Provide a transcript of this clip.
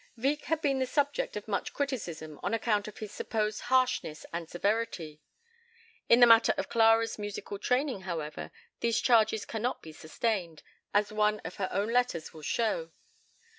Wieck has been the subject of much criticism on account of his supposed harshness and severity. In the matter of Clara's musical training, however, these charges cannot be sustained, as one of her own letters will show.